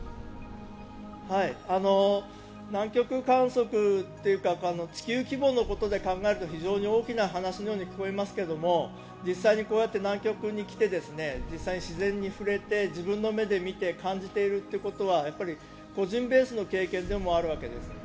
南極観測というか地球規模で考えると非常に大きな話のように聞こえますけれど実際にこうやって南極に来て実際に自然に触れて自分の目で見て感じているということは個人ベースの経験でもあるわけです。